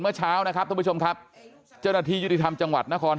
เมื่อเช้านะครับท่านผู้ชมครับเจ้าหน้าที่ยุติธรรมจังหวัดนคร